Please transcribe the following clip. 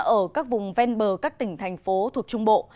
ở các vùng ven bờ các tỉnh thành phố thuộc trung bộ